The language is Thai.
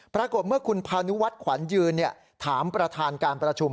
ปรากฏเมื่อคุณพานุวัฒน์ขวัญยืนถามประธานการประชุม